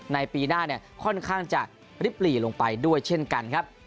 ในปีหน้าเนี่ยค่อนข้างจะริบหลีลงไปด้วยเช่นกันครับ